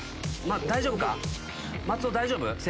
大丈夫か？